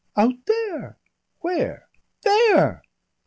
"Out there." "Where?" "There!"